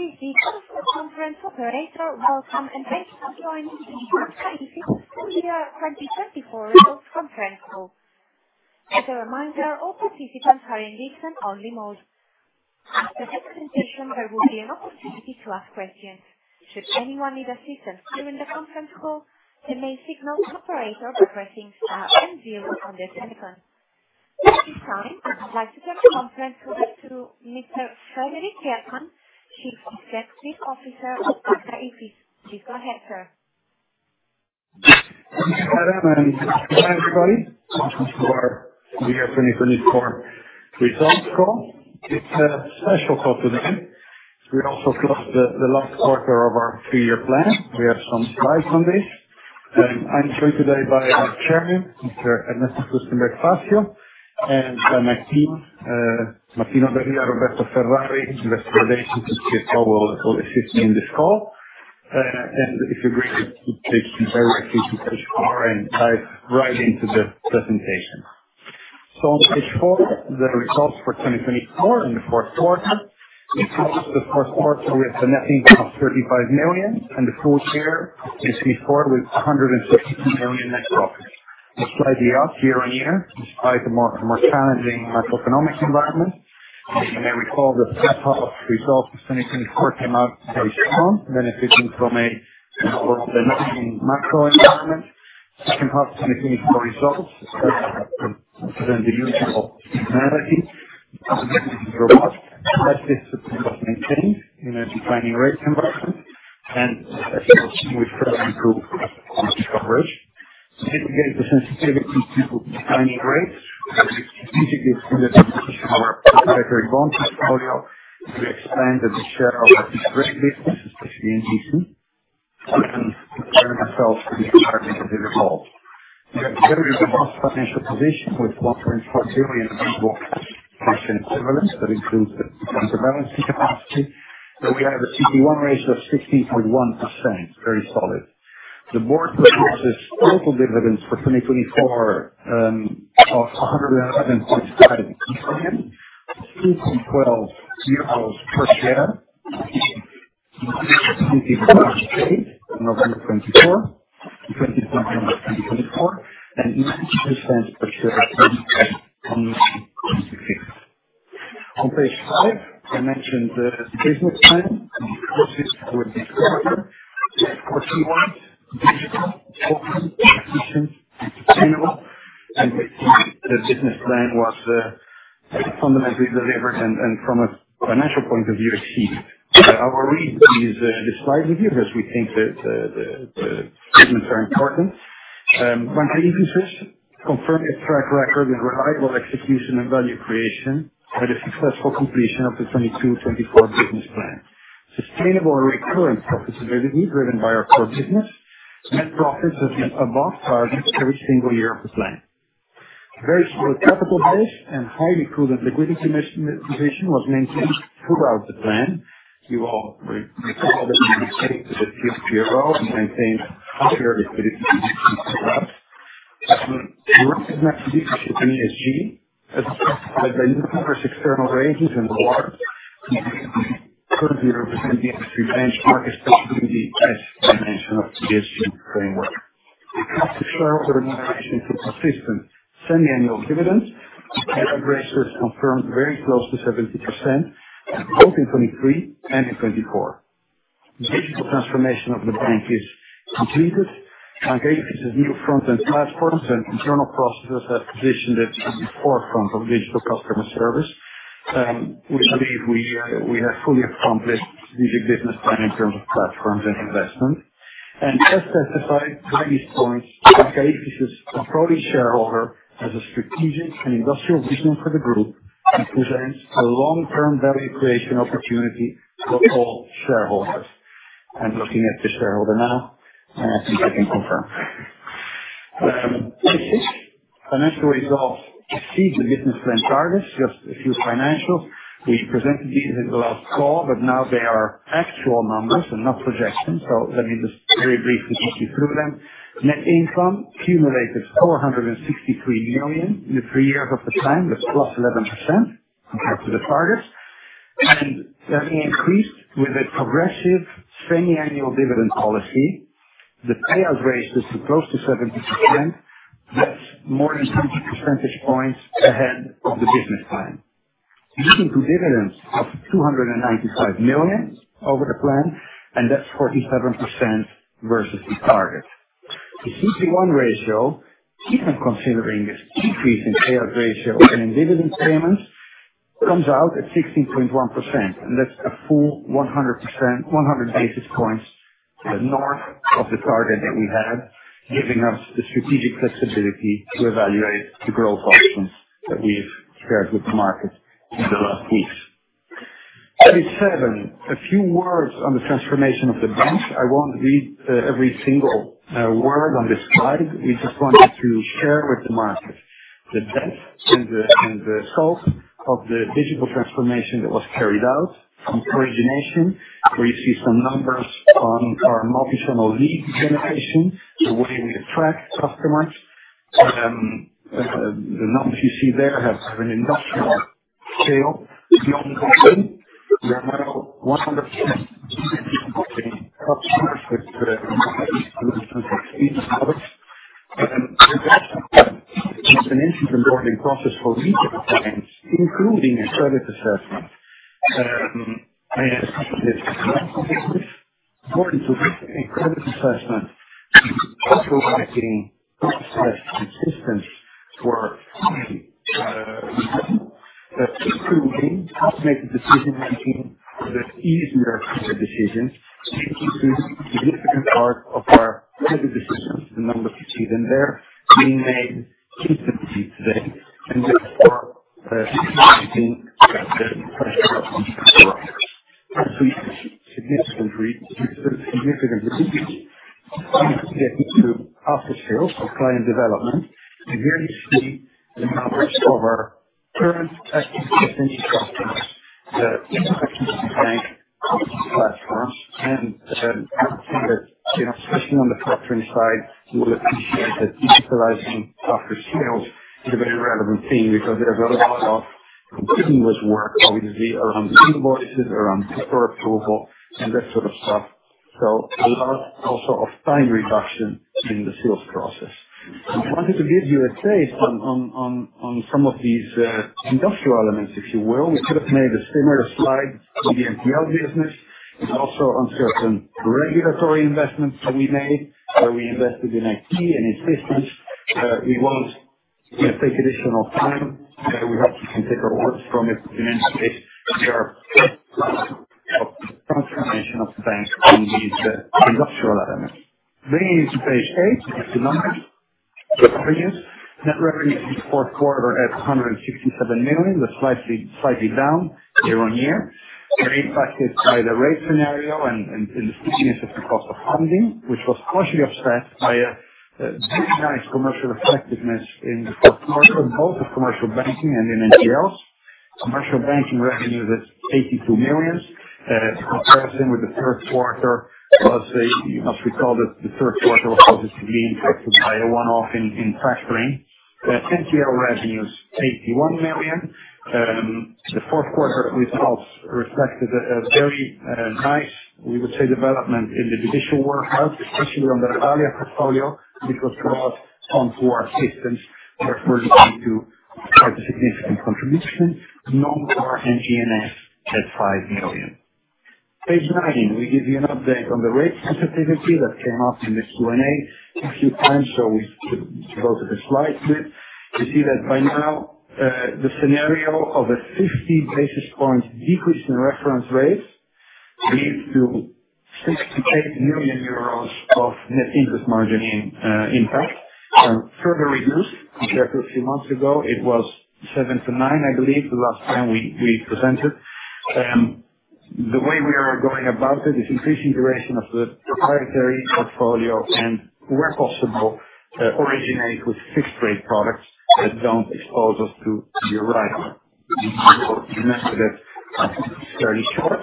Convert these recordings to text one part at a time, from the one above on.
Welcome to this digital conference. Operator, welcome everyone for joining the Banca IFIS 2024 Results Conference. As a reminder, all participants are in listen-only mode. After the presentation, there will be an opportunity to ask questions. Should anyone need assistance during the conference call, they may signal the operator by pressing star and zero on their telephone. At this time, I'd like to turn the conference over to Mr. Frederik Geertman, Chief Executive Officer of Banca IFIS. Please go ahead, sir. Thank you, Madam. Good morning, everybody. Welcome to our 2024 Results Call. It's a special call today. We also closed the last quarter of our three-year plan. We have some slides on this. I'm joined today by our Chairman, Mr. Ernesto Fürstenberg Fassio, and by my team, Martino Da Rio, Roberto Ferrari, and the Investor Relations team to see how we'll assist you in this call. If you agree, we'll take you directly to page four and dive right into the presentation. On page four, the results for 2024 in the fourth quarter. We closed the fourth quarter with a net income of 35 million, and the full year 2024 with 152 million net profit. It's slightly up year on year, despite a more challenging macroeconomic environment. As you may recall, the second half of results of 2024 came out very strong, benefiting from a more of a macro environment. Second half of 2024 results represent the usual seasonality. This is remarkable. This is especially maintained in a declining rate environment, and this is working with further improved coverage. This reduces the sensitivity to declining rates. We've significantly increased our covered bond portfolio to expand the share of our direct business, especially in Govies, and we're in the third quarter of the report. We have a very robust financial position with EUR 1.4 billion in cash and cash equivalents that includes the counterbalancing capacity, so we have a CET1 ratio of 16.1%, very solid. The book reports total dividends for 2024 of 111.5 million, 2.12 per share, including the 2024 and 2025, 0.90 euros per share on the 26th. On page five, I mentioned the business plan and the closing for this quarter. Of course, we want digital, open, efficient, and sustainable. We think the business plan was fundamentally delivered and, from a financial point of view, achieved. Our reason is this slide with you because we think the statements are important. Banca IFIS confirms a track record with reliable execution and value creation with a successful completion of the 22-24 business plan. Sustainable recurrent profitability driven by our core business. Net profits have been above target every single year of the plan. Very solid capital base and highly prudent liquidity position was maintained throughout the plan. We recall that we maintained the profile and maintained prudent liquidity position throughout. We want an introduction to ESG. As expected, we had the new S&P external ratings and the MSCI, which currently represent the industry benchmark, especially in the S dimension of the ESG framework. We commit to shareholder remuneration through consistent semi-annual dividends. payout ratio is confirmed very close to 70%, both in 2023 and in 2024. Digital transformation of the bank is completed. Banca IFIS has new front-end platforms, and internal processors have positioned it at the forefront of digital customer service. We believe we have fully accomplished the digital business plan in terms of platforms and investment. And as testified by these points, Banca IFIS is a controlling shareholder as a strategic and industrial vision for the group and presents a long-term value creation opportunity for all shareholders. I'm looking at the shareholder now, and I think I can confirm. Financial results exceed the business plan targets, just a few financials. We presented these in the last call, but now they are actual numbers and not projections. So let me just very briefly take you through them. Net income accumulated 463 million in the three years of the plan, with plus 11% compared to the targets. And that increased with a progressive semi-annual dividend policy. The payout rate is close to 70%. That's more than 20 percentage points ahead of the business plan. Leading to dividends of 295 million over the plan, and that's 47% versus the target. The CET1 ratio, even considering this decrease in payout ratio and in dividend payments, comes out at 16.1%. And that's a full 100 basis points north of the target that we had, giving us the strategic flexibility to evaluate the growth options that we've shared with the market in the last weeks. Page seven, a few words on the transformation of the bank. I won't read every single word on this slide. We just wanted to share with the market the depth and the scope of the digital transformation that was carried out from origination, where you see some numbers on our multi-channel lead generation, the way we attract customers. The numbers you see there have an industrial scale. We are now 100% in the cloud with 160 products. And that's an instant onboarding process for retail clients, including a credit assessment. I have seen this in multiple places. According to this credit assessment, we're automating processes consistently for easy decisions, including automated decision-making for the easier decisions, making significant part of our credit decisions. The numbers you see there being made instantly today. And therefore, we're reducing the pressure on customers. That's significantly reduced the after-sales of client development. And here you see the numbers of our current active customers, the interaction with the bank platforms. I think that, especially on the factoring side, you will appreciate that utilizing after-sales is a very relevant thing because there's a lot of continuous work, obviously, around the invoices, around the store approval, and that sort of stuff. A lot also of time reduction in the sales process. I wanted to give you a taste on some of these industrial elements, if you will. We could have made a similar slide with the NPL business. It's also on certain regulatory investments that we made, where we invested in IT and in systems. We won't take additional time. We hope you can take our words from it in any case. We are a transformation of the bank on these industrial elements. Bringing you to page eight, the numbers, revenues. Net revenues in the fourth quarter at 167 million, that's slightly down year on year. We're impacted by the rate scenario and the steepness of the cost of funding, which was partially upset by a very nice commercial effectiveness in the fourth quarter, both of commercial banking and in NPLs. Commercial banking revenues at 82 million. Comparison with the third quarter was, you must recall that the third quarter, of course, is to be impacted by a one-off in factoring. NPL revenues, 81 million. The fourth quarter results reflected a very nice, we would say, development in the judicial workload, especially on the Revalea portfolio, which was brought onto our systems. Therefore, we need to make a significant contribution. None of our MGS at 5 million. Page nine, we give you an update on the rate sensitivity that came up in the Q&A a few times, so we should go to the slide clip. You see that by now, the scenario of a 50 basis point decrease in reference rates leads to EUR 68 million of net interest margin impact. Further reduced compared to a few months ago. It was 7 to 9, I believe, the last time we presented. The way we are going about it is increasing duration of the proprietary portfolio and, where possible, originate with fixed-rate products that don't expose us to derisk. Remember that it's fairly short.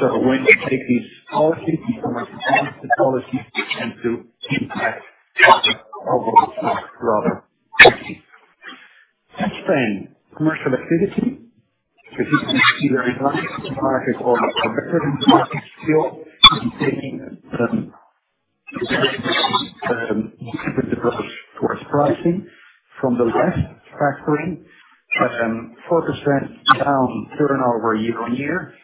So when you take these policies, you can't want the policies to impact overall stock, rather. Page ten, commercial activity, specifically either in the market or representing the market still, maintaining the trend of the diversified approach towards pricing from the leasing, factoring. 4% down turnover year on year,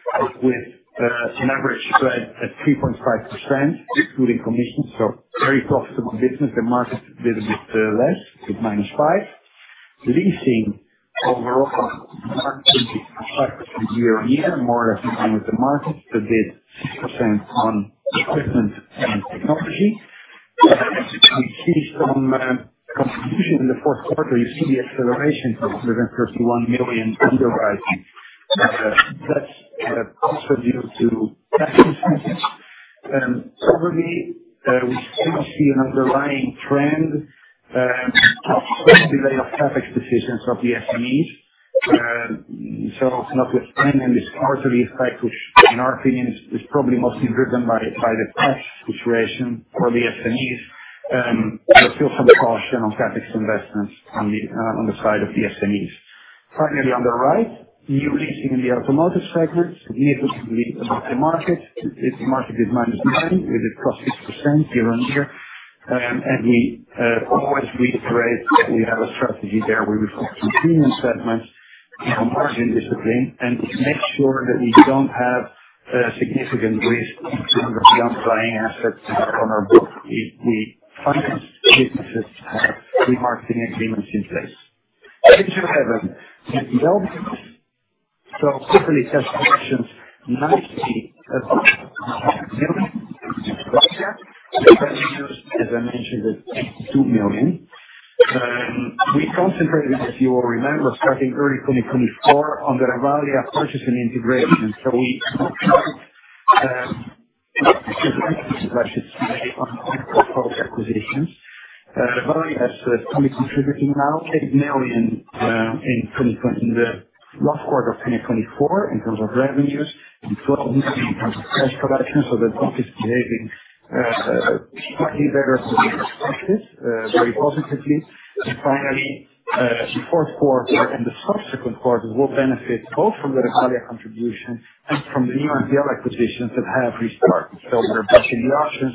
with an average spread at 3.5%, including commissions. So very profitable business. The market did a bit less, a bit minus five. Leasing overall growing 5% year on year, more than even with the market, but did 6% on equipment and technology. We see some contribution in the fourth quarter. You see the acceleration to 131 million underwriting. That's also due to tax incentives. Probably, we still see an underlying trend of some delay of CapEx decisions of the SMEs. So it's not less plain in this quarterly effect, which, in our opinion, is probably mostly driven by the tax situation for the SMEs. There's still some caution on CapEx investments on the side of the SMEs. Finally, on the right, new leasing in the automotive segment. Significantly above the market. The market is -9%, while we grew 6% year on year. We always reiterate that we have a strategy there where we focus on premium segments, margin discipline, and make sure that we don't have significant risk in terms of the underlying assets on our board. We finance businesses to have pre-marketing agreements in place. Page eleven, the development. Quarterly cash collections EUR 90 million in revenues. Revenues, as I mentioned, are 82 million. We concentrated, if you will remember, starting early 2024, on the Revalea purchase and integration. We concentrated on the purchase and integration of portfolio acquisitions. Revalea has started contributing now 8 million in the last quarter of 2024 in terms of revenues and 12 million in terms of cash production. The bank is behaving slightly better from the perspective, very positively. Finally, the fourth quarter and the subsequent quarters will benefit both from the Revalea contribution and from the new NPL acquisitions that have restarted. We are back in the auctions.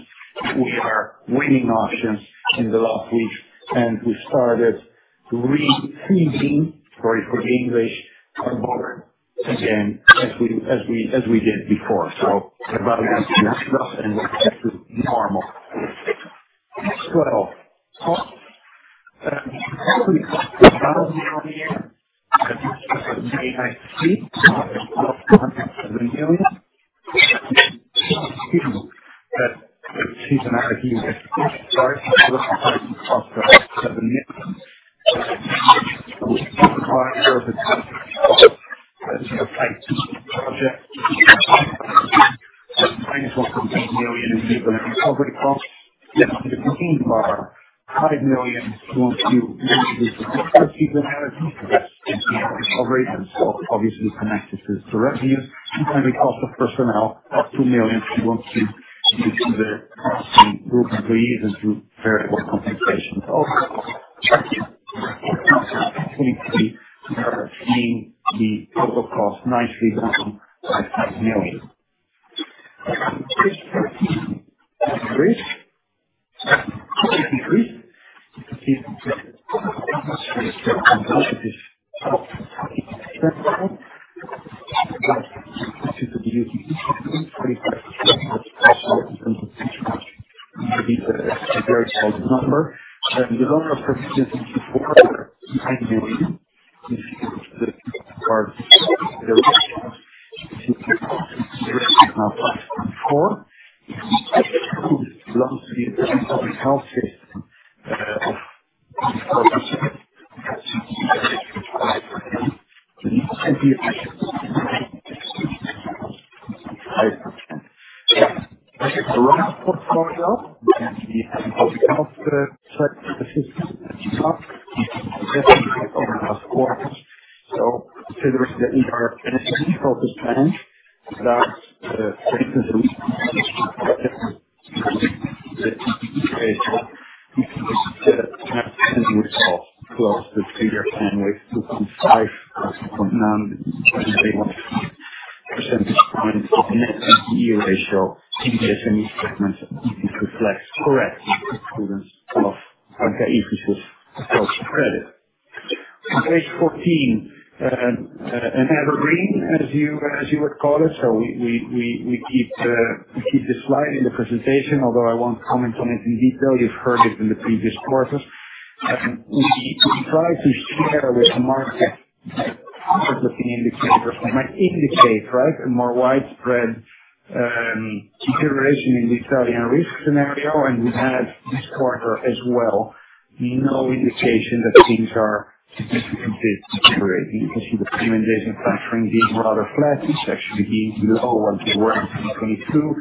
We are winning auctions in the last week. We have started re-seeding, sorry for the English, our board again, as we did before. We keep this slide in the presentation, although I won't comment on it in detail. You've heard it in the previous quarters. We try to share with the market the indicators that might indicate, right, a more widespread deterioration in the Italian risk scenario. We have this quarter as well, no indication that things are significantly deteriorating. You can see the performing-based and factoring being rather flat. It's actually being low until we're in 2022.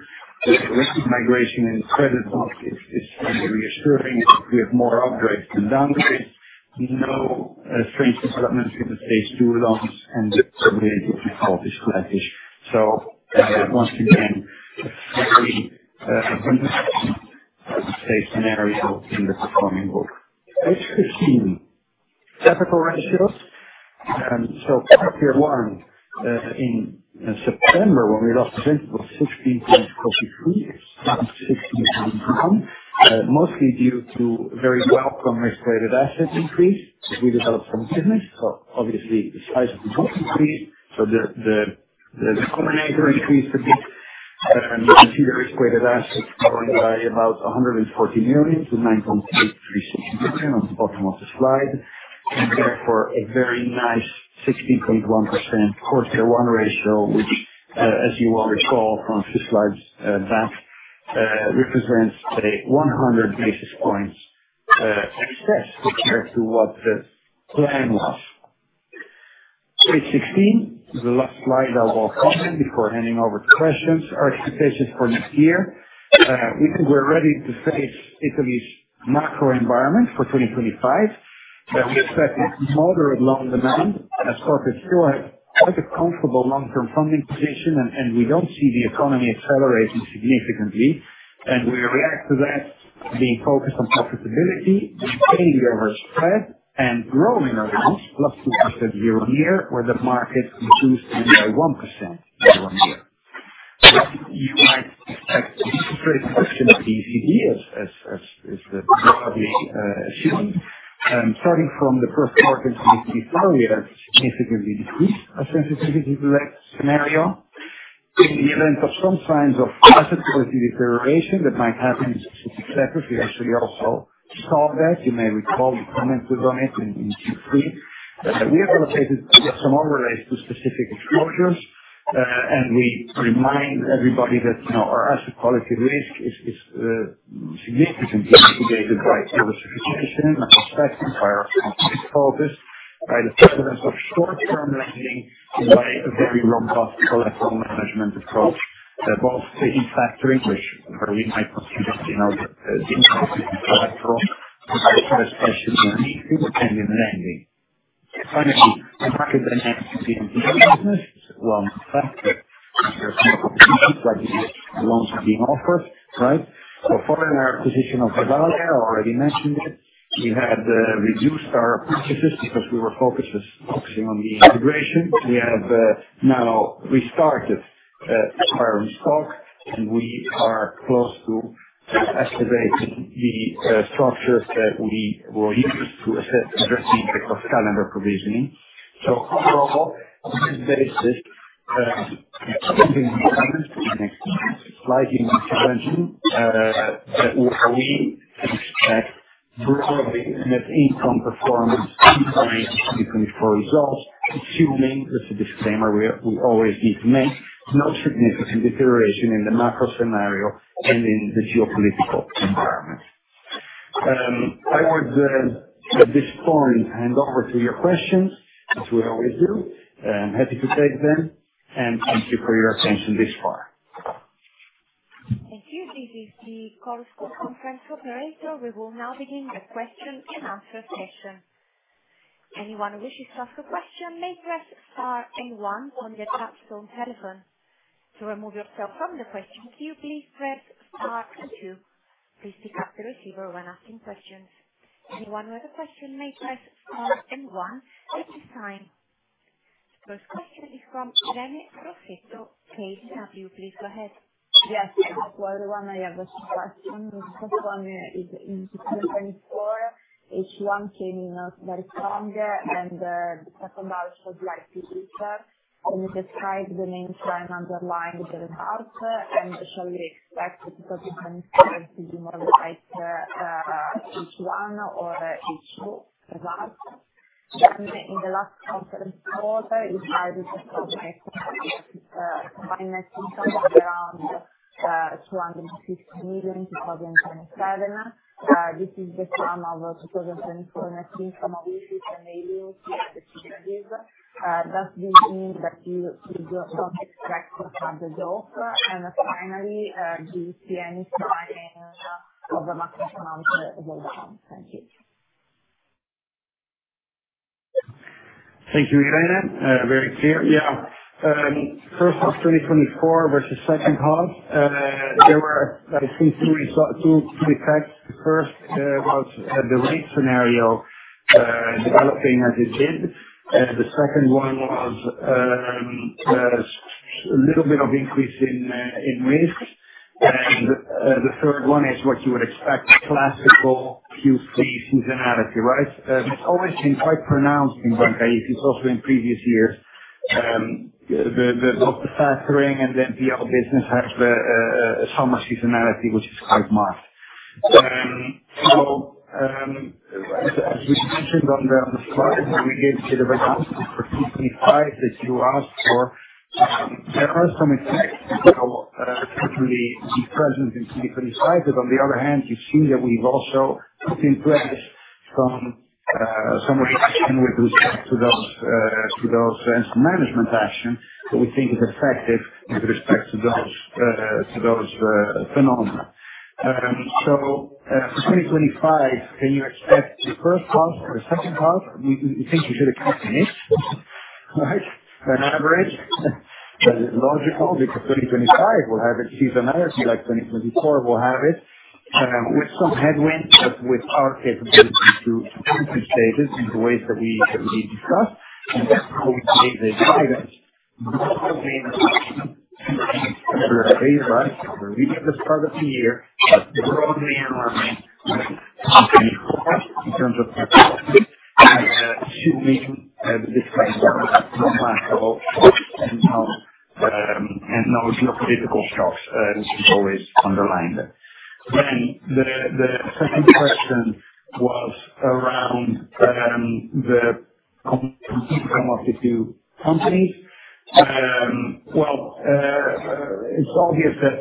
The risk of migration and credit loss is reassuring. We have more upgrades than downgrades. No strange developments in the states too long, and the rate of recall is flat-ish. So once again, a fairly beneficial, I would say, scenario in the performing book. Page 15, capital ratios. So CET1 in September, when we lost the principal, 16.43%. It's down to 16.1%, mostly due to very welcome risk-weighted asset increase as we developed some business. So obviously, the size of the book increased. So the denominator increased a bit. You can see the risk-weighted assets growing by about 140 million to 9.836 billion on the bottom of the slide. And therefore, a very nice 16.1% CET1 ratio, which, as you will recall from two slides back, represents a 100 basis points excess compared to what the plan was. Page 16, the last slide I will comment before handing over to questions. Our expectations for next year. We think we're ready to face Italy's macro environment for 2025. We expect a moderate loan demand. In Q2, we have quite a comfortable long-term funding position, and we don't see the economy accelerating significantly, and we react to that by being focused on profitability, maintaining the overall spread, and growing our RWAs by 2% year on year, while the market improves by nearly 1% year on year. You might expect a decreased risk of the ECB, as is broadly assumed. Starting from the first quarter to next quarter, we have significantly decreased our sensitivity to that scenario. In the event of some signs of asset quality deterioration that might happen in specific sectors, we actually also saw that. You may recall the comments we've done on it in Q3. We have allocated some overlays to specific exposures and we remind everybody that our asset quality risk is significantly mitigated by oversupply situation, a prospective higher cost risk focus, by the prevalence of short-term lending, and by a very robust collateral management approach, both in factoring, which we might consider the impact of the collateral with extra special leasing and in lending. Finally, the market dynamics in the NPL business. It's a well-known fact that there are some opportunities like these loans are being offered, right, so following our acquisition of Revalea, I already mentioned it. We had reduced our purchases because we were focusing on the integration. We have now restarted our stock, and we are close to activating the structures that we were used to assess addressing the cost calendar provisioning, so overall, on this basis, we're keeping these comments to the next week. Slightly more substantial than we expect broadly net income performance in 2023 for results, assuming, with the disclaimer we always need to make, no significant deterioration in the macro scenario and in the geopolitical environment. I would, at this point, hand over to your questions, as we always do. I'm happy to take them, and thank you for your attention this far. Thank you. This is the conference operator. We will now begin the question and answer session. Anyone who wishes to ask a question may press star and one on the touch-tone telephone. To remove yourself from the queue, can you please press star and two? Please pick up the receiver when asking questions. Anyone with a question may press star and one at this time. The first question is from Irene Rossetto, Banca Akros. Please go ahead. Yes. Hello, everyone. I have a question. The first one is in 2024. H1 came in not very strong, and the second half was slightly weaker. Can you describe the main trend underlying the result? Shall we expect 2024 to be more like H1 or H2 result? In the last conference quarter, you cited the projected net income of around 250 million in 2027. This is the sum of 2024 net income of IFIS, Illimity, and Synergies. Does this mean that you don't expect to have the growth? Finally, do you see any sign of a macroeconomic environment? Thank you. Thank you, Irene. Very clear. Yeah. First half 2024 versus second half, there were, I think, two effects. The first was the risk scenario developing as it did. The second one was a little bit of increase in risk. The third one is what you would expect, classical Q3 seasonality, right? It's always been quite pronounced in Banca IFIS. It's also in previous years. Both the factoring and the NPL business have a summer seasonality, which is quite marked. As we mentioned on the slide that we gave to the results for 2025 that you asked for, there are some effects. Certainly be present in 2025. On the other hand, you've seen that we've also put in place some reaction with respect to those and some management action that we think is effective with respect to those phenomena. For 2025, can you expect the first half or the second half? We think you should account for this, right? On average, that is logical because 2025 will have its seasonality like 2024 will have it, with some headwinds, but with our capability to compensate it in the ways that we discussed, and that's how we made the guidance. The broad main reaction is a fair play, right? We're reading the start of the year, but the broad main line is 2024 in terms of performance and assuming the discount is not remarkable and no geopolitical shocks, as we've always underlined it. Then the second question was around the income of the two companies. It's obvious that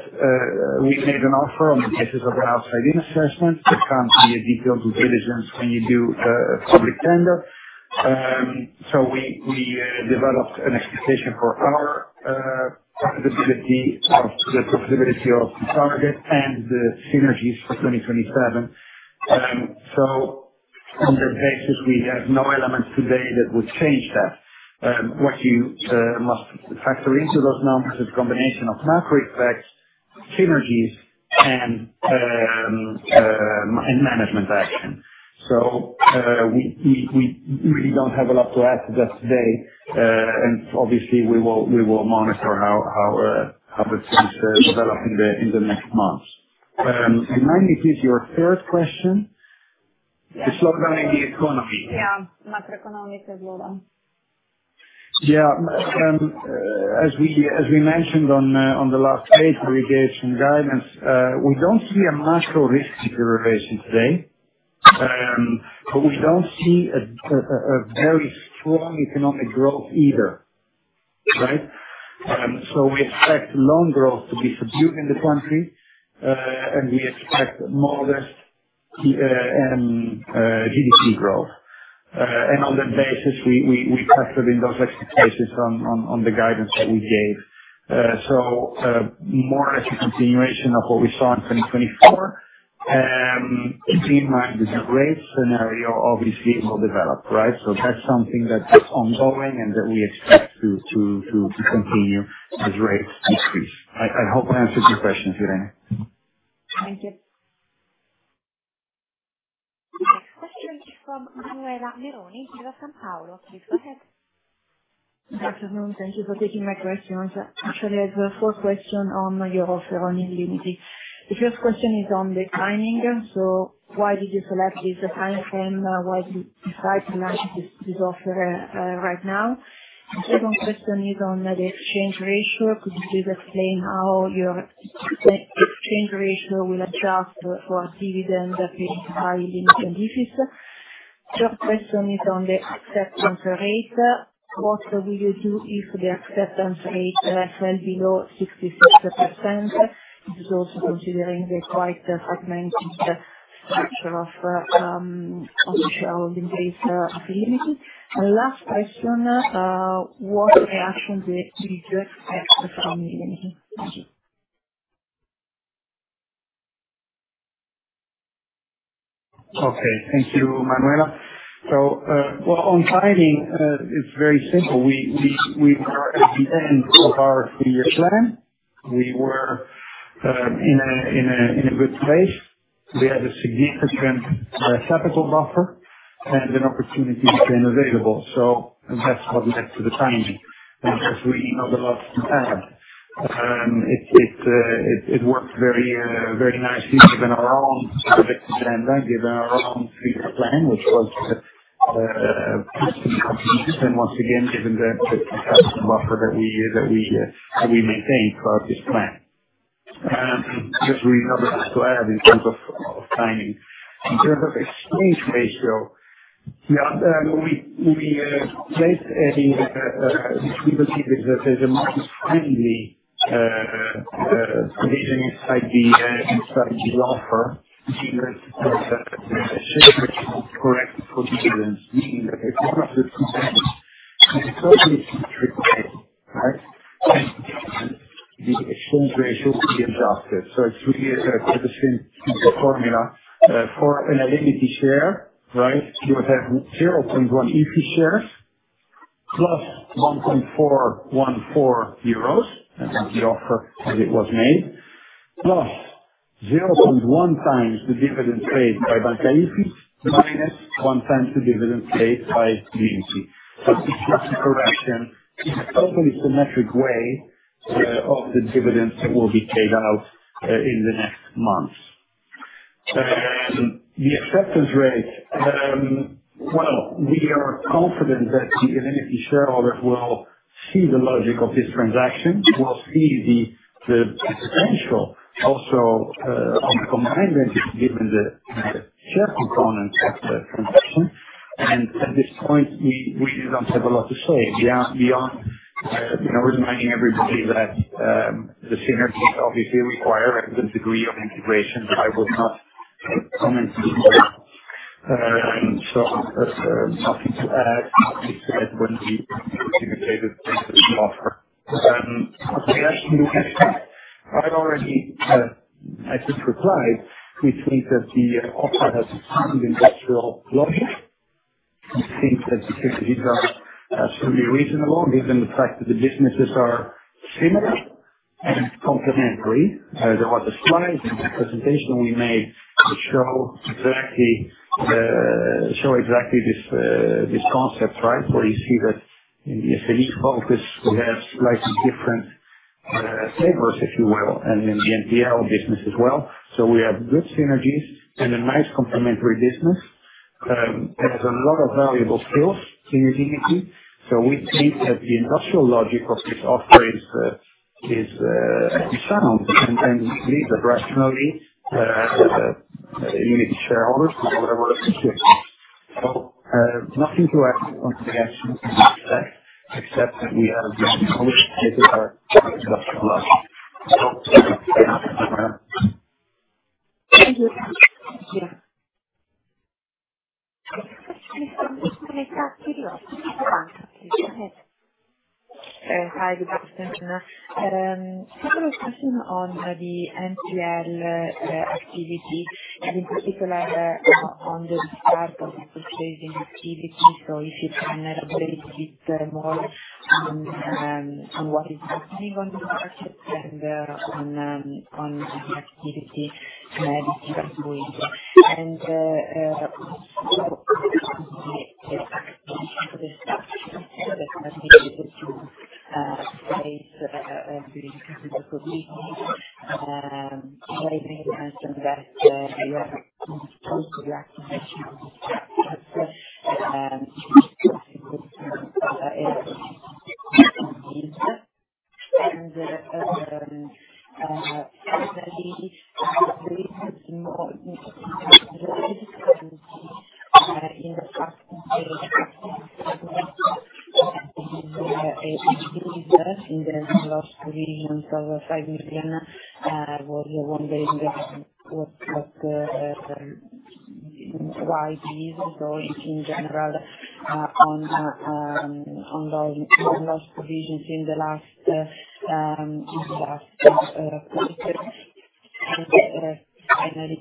we made an offer on the basis of an outside-in assessment. There can't be a detailed due diligence when you do a public tender, so we developed an expectation for our profitability of the profitability of the target and the synergies for 2027. On that basis, we have no elements today that would change that. What you must factor into those numbers is a combination of macro effects, synergies, and management action. We really don't have a lot to add to that today. Obviously, we will monitor how things develop in the next months. Maybe this is your third question. The slowdown in the economy. Yeah. Macroeconomic slowdown. Yeah. As we mentioned on the last page where we gave some guidance, we don't see a macro risk deterioration today, but we don't see a very strong economic growth either, right? We expect loan growth to be subdued in the country, and we expect modest GDP growth. On that basis, we factored in those expectations into the guidance that we gave. So more as a continuation of what we saw in 2024, keeping in mind that the rate scenario obviously will develop, right? So that's something that's ongoing and that we expect to continue as rates decrease. I hope I answered your questions, Irene. Thank you. We have questions from Manuela Meroni at Intesa Sanpaolo. Please go ahead. Good afternoon. Thank you for taking my questions. Actually, I have four questions on your offer on Illimity. The first question is on the timing. So why did you select this timeframe? Why did you decide to launch this offer right now? The second question is on the exchange ratio. Could you please explain how your exchange ratio will adjust for dividend paid by the NPL and IFIS? The third question is on the acceptance rate. What will you do if the acceptance rate fell below 66%? This is also considering the quite fragmented structure of the shareholding base of Illimity, and the last question, what reaction did you expect from Illimity? Thank you. Okay. Thank you, Manuela. So on timing, it's very simple. We were at the end of our three-year plan. We were in a good place. We had a significant capital buffer and an opportunity to stay available. So that's what led to the timing, as we know, the last time. It worked very nicely, given our own projected agenda, given our own three-year plan, which was completely completed, and once again, given the capital buffer that we maintained throughout this plan. Just, you know, that's the last to add in terms of timing. In terms of exchange ratio, yeah, we placed a—which we believe is a market-friendly position inside the offer. The share ratio is correct for dividends, meaning that if one of the two entities is totally centric today, right, then the exchange ratio will be adjusted. So it's really true to the same formula. For an entity share, right, you would have 0.1 Illimity shares plus 1.414 euros as the offer as it was made, plus 0.1 times the dividend paid by Banca IFIS minus one times the dividend paid by the Illimity, plus a symmetric correction in a totally symmetric way of the dividends that will be paid out in the next months. The acceptance rate, well, we are confident that the entity shareholders will see the logic of this transaction, will see the potential also of combined entity given the share components of the transaction. At this point, we don't have a lot to say beyond reminding everybody that the synergies obviously require a good degree of integration, but I would not comment further. Nothing to add, nothing to add when we communicated this offer. What reaction do we expect? I just replied. We think that the offer has some industrial logic. We think that the synergies are absolutely reasonable, given the fact that the businesses are similar and complementary. There was a slide in the presentation we made to show exactly this concept, right, where you see that in the SME focus, we have slightly different flavors, if you will, and in the NPL business as well. We have good synergies and a nice complementary business. There's a lot of valuable skills in Illimity. So we think that the industrial logic of this offer is sound, and we believe that rational minority shareholders will have a lot of good reasons. So nothing to add on the transaction we expect, except that we have always stated our industrial logic. So that's it, Manuela. Thank you. Thank you. The next question is from Simonetta Chiriotti, Mediobanca, please come on. Please go ahead. Hi, good afternoon. A couple of questions on the NPL activity, and in particular on the start of the purchasing activity. So if you can elaborate a bit more on what is happening on the market and on the activity that you are doing. And what would be the adequacy of the structures that are needed to operate during the COVID-19 pandemic? I think that you are at the point of the activation of the structures. It's quite important in the COVID-19 pandemic. And secondly, the reasons for the criticality in the fact that there was a big increase in the loan loss provisions of EUR 5 million was wondering why these, or in general, on loan loss provisions in the last quarter and finally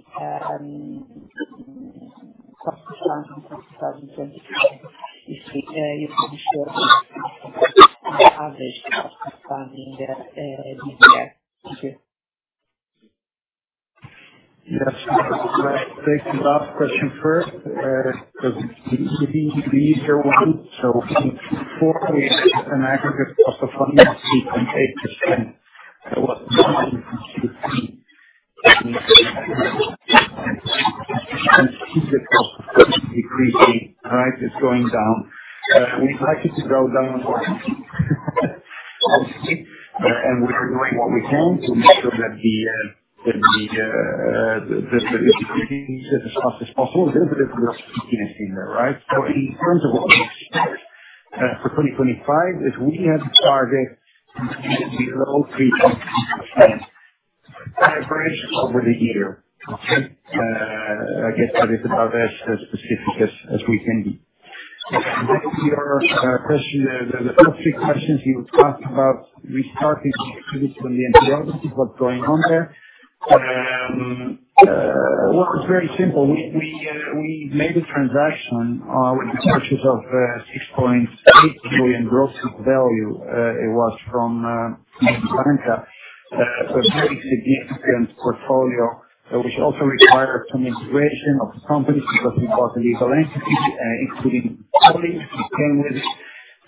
cost of funds in 2024, if you can share the average cost of funding this year? Thank you. Yes. I'd like to ask the last question first because it's the easier one. So in Q4, we had an aggregate cost of funding of 3.8%. That was nothing to see the cost of funding decreasing, right, is going down. We'd like it to go down obviously, and we're doing what we can to make sure that the decrease is as fast as possible. There's a little bit of stickiness in there, right? So in terms of what we expect for 2025, if we had the target to be below 3.8% average over the year, okay? I guess that is about as specific as we can be. And then your question, the top three questions you asked about restarting the activity from the MPL, what's going on there? Well, it's very simple. We made a transaction with the purchase of 6.8 billion gross book value. It was from Banca IFIS, a very significant portfolio, which also required some integration of the companies because we bought a legal entity, including the colleagues who came with it.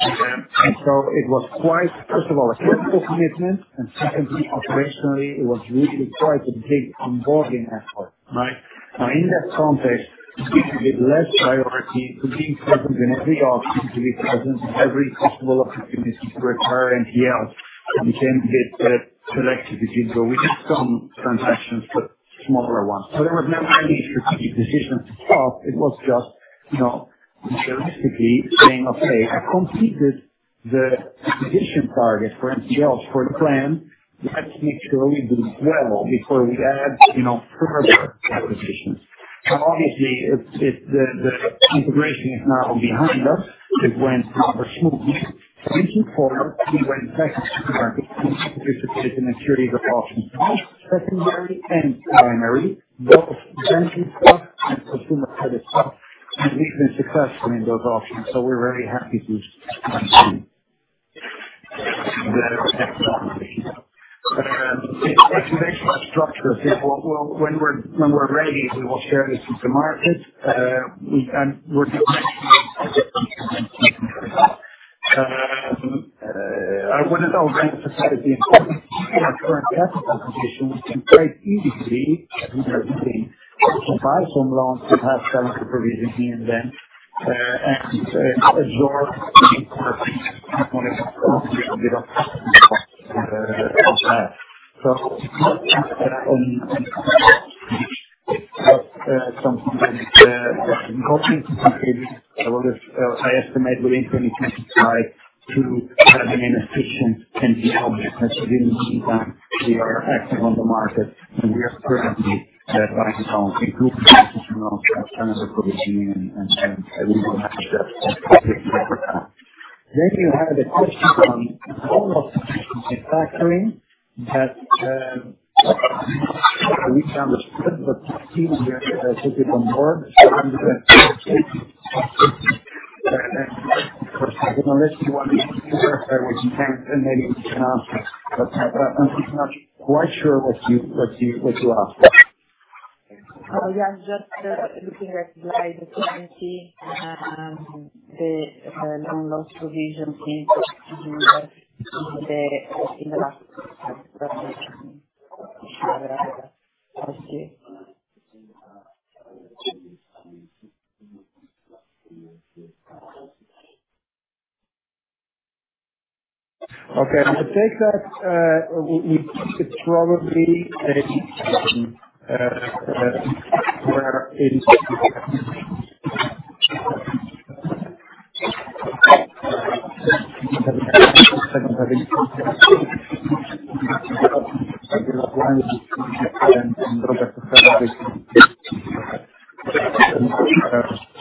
And so it was quite, first of all, a critical commitment, and secondly, operationally, it was really quite a big onboarding effort, right? Now, in that context, it gives a bit less priority to being present in every office and to be present in every possible opportunity to acquire NPLs. We became a bit selective with it, though. We did some transactions, but smaller ones. So there was no any strategic decision to stop. It was just, realistically, saying, "Okay, I completed the acquisition target for NPLs for the plan. Let's make sure we do well before we add further acquisitions." Now, obviously, the integration is now behind us. It went rather smoothly. In Q4, we went back into the market and participated in a series of auctions, both secondary and primary, both venture stock and consumer credit stock, and we've been successful in those auctions. So we're very happy to be back in the auctions. The activation of structures is, well, when we're ready, we will share this with the market, and we're not actually expecting to be successful. I wouldn't overemphasize the importance of our current capital position. We can quite easily, as we've already seen, buy some loans that have some supervision here and then absorb the importance of a bit of capital on that. So that's something that's important to consider. I estimate within 2025 to have an inefficient NPL because within the meantime, we are active on the market, and we are currently buying loans in groups to do some loans and some of the provisioning, and we will manage that over time. You had a question on almost manufacturing that we understood, but it's easier to put it on board. Unless you want to answer with your hands, then maybe we can ask it, but I'm not quite sure what you asked. Yeah. I'm just looking at the 2020 loan loss provision thing in the last quarter. Thank you. Okay. I take that we think it's probably overall as well.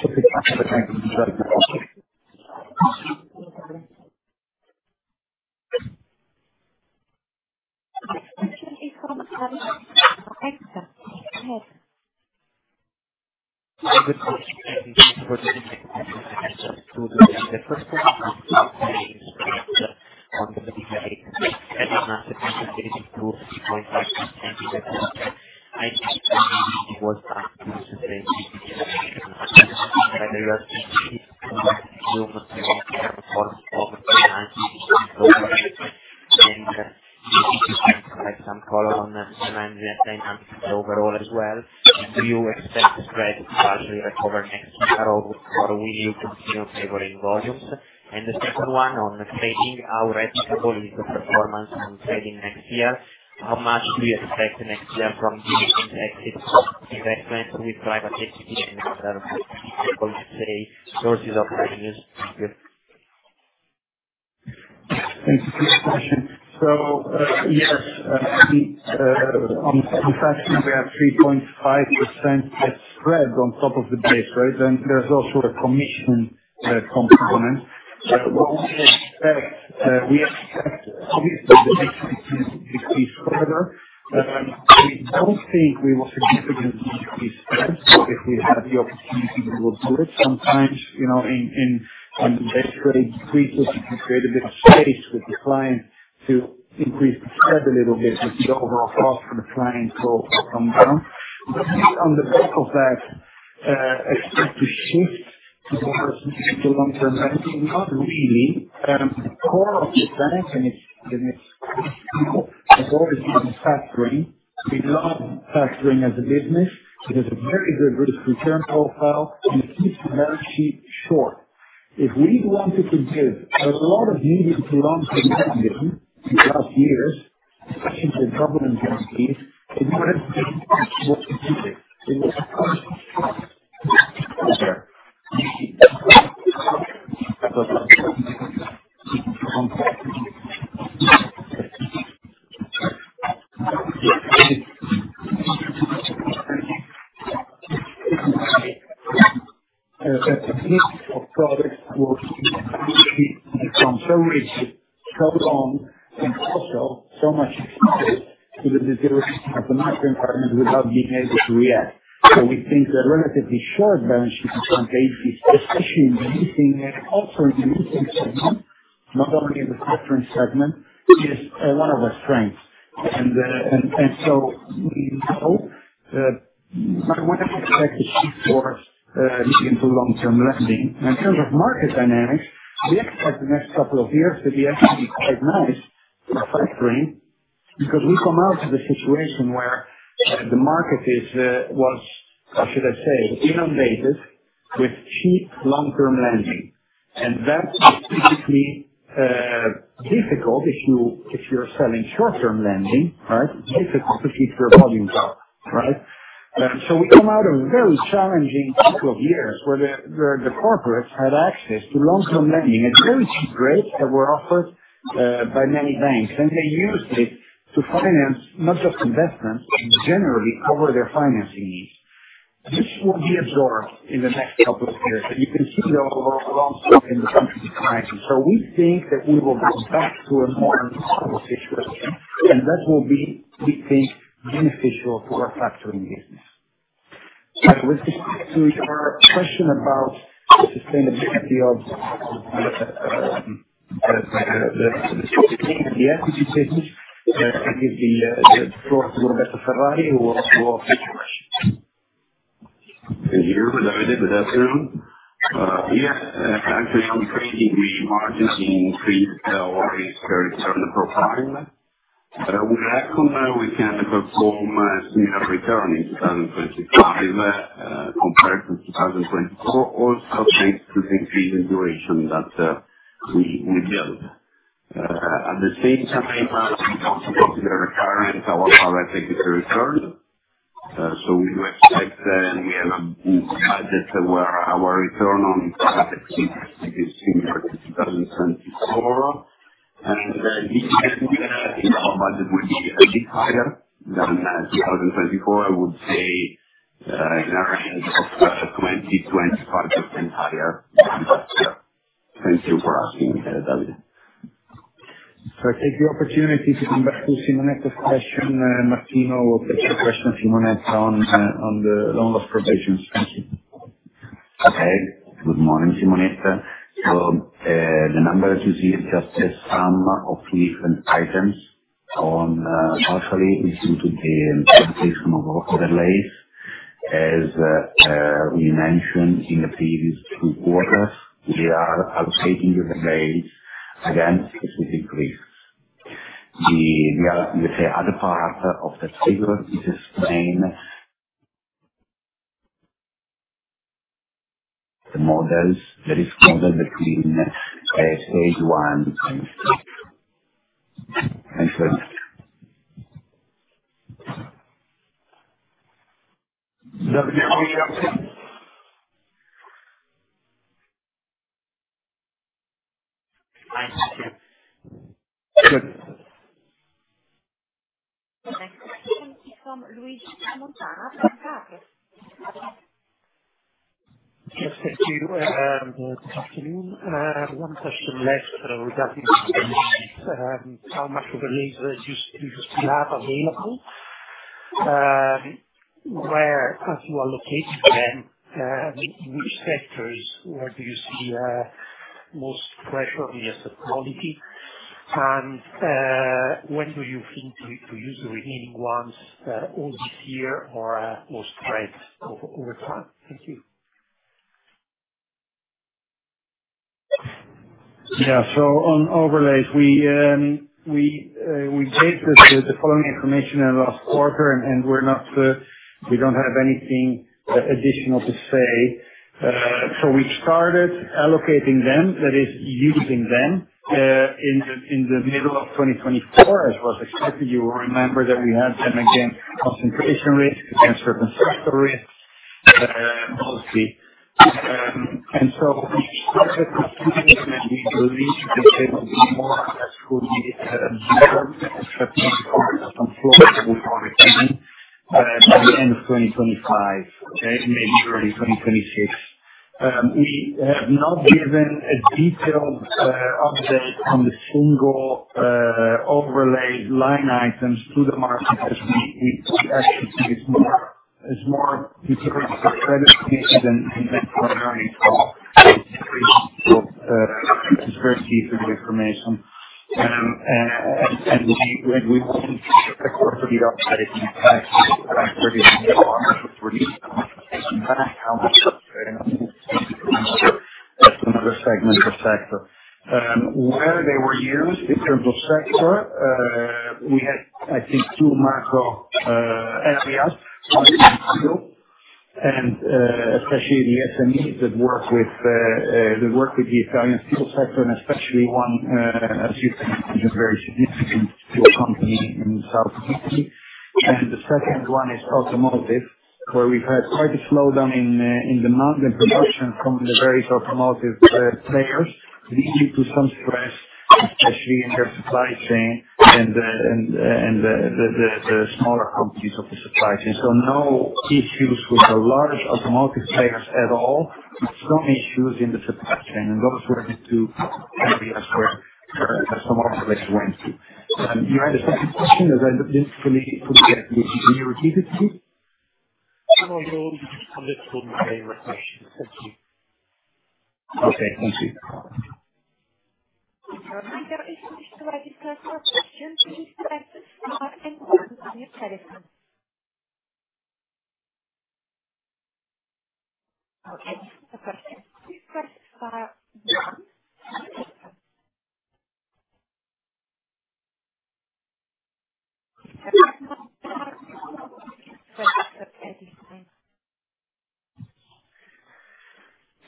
Do you expect the spreads to partially recover next year or will you continue favoring volumes? And the second one, on trading, how repeatable is the performance on trading next year? How much do you expect next year from dividend exit investments with private equity and other sources of revenues? Thank you. Thank you for the question. So yes, on the transactions, we have 3.5% spread on top of the base, right? Then there's also a commission component. So we expect obviously the baseline to decrease further. We don't think we will significantly decrease spreads if we had the opportunity to do it. Sometimes in basically decreases, you can create a bit of space with the client to increase the spread a little bit with the overall cost for the client to come down. But on the back of that, expect to shift towards the long-term banking? Not really. The core of the bank and its core people has always been in factoring. We love factoring as a business. It has a very good risk-return profile, and it keeps the balance sheet short. If we wanted to give a lot of medium-to-long-term revenue in the last years, especially in the government guarantees, it would have been possible to do it. It would have cost us more. A bit of product will keep the consolidation so long and also so much exposed to the resilience of the macro environment without being able to react. So we think a relatively short balance sheet in 2020, especially in the leasing and also in the leasing segment, not only in the factoring segment, is one of our strengths. And so we know that we would have expected to shift towards medium-to-long-term lending. And in terms of market dynamics, we expect the next couple of years to be actually quite nice for factoring because we come out of a situation where the market was, how should I say, inundated with cheap long-term lending. And that is typically difficult if you're selling short-term lending, right? It's difficult to keep your volumes up, right? So we come out of a very challenging couple of years where the corporates had access to long-term lending at very cheap rates that were offered by many banks, and they used it to finance not just investments, but generally cover their financing needs. This will be absorbed in the next couple of years, and you can see the overall loss in the country declining. We think that we will go back to a more normal situation, and that will be, we think, beneficial to our factoring business. With respect to your question about the sustainability of the equity business, I give the floor to Roberto Ferrari, who will ask you all the questions. Thank you. Good afternoon. Yes. Actually, I'm turning to the margins increase or the current return profile. With that, we can perform a similar return in 2025 compared to 2024, also thanks to the increase in duration that we built. At the same time, we also considered the recurrence of our executive return. So we expect that we have a budget where our return on private equity is similar to 2024, and in our budget, we'll be a bit higher than 2024. I would say in our end of 20%-25% higher than this year. Thank you for asking, Davide. So I take the opportunity to come back to Simonetta's question. Martino, what was your question, Simonetta, on the loan loss provisions? Thank you. Okay. Good morning, Simonetta. So the number that you see is just a sum of different items. Partially is due to the increase of overlays. As we mentioned in the previous two quarters, we are allocating overlays against specific risks. The other part of the figure is explaining the risk model between stage one and stage two. Thank you. Thank you. Good afternoon. One question left, regarding the overlays, how much overlays do you still have available? Where are you allocating them? In which sectors do you see most pressure on the asset quality? And when do you think to use the remaining ones, all this year or most spread over time? Thank you. Yeah. So on overlays, we gave the following information in the last quarter, and we don't have anything additional to say. So we started allocating them, that is, using them in the middle of 2024, as was expected. You will remember that we had them against concentration risk, against circumstantial risk, mostly. We started considering that we believe that there will be more that could be used in the next 15%-20% of the floor that we are retaining by the end of 2025, okay, maybe early 2026. We have not given a detailed update on the single overlay line items to the market because we actually think it's more detailed for credit-related than for leasing from the decisions of. This is very detailed information. We won't be able to give a quarterly update on factoring once we've released the market information back. How much we've been able to use that from other segments of sector. Where they were used in terms of sector, we had, I think, two macro areas, one is steel, and especially the SMEs that work with the Italian steel sector, and especially one, as you can imagine, very significant steel company in South Italy, and the second one is automotive, where we've had quite a slowdown in demand and production from the various automotive players leading to some stress, especially in their supply chain and the smaller companies of the supply chain, so no issues with the large automotive players at all, but some issues in the supply chain, and those were the two areas where some overlays went to. You had a second question that I didn't fully get through. Can you repeat it, please? No, you already answered my question. Thank you. Okay. Thank you. As the markets in the next couple of months, I'm sure, as quarters of 2025 start and as the offer is to mature. For now,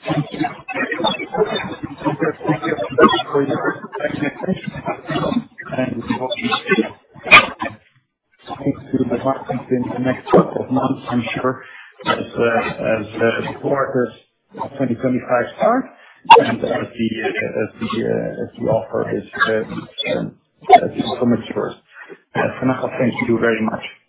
thank you very much.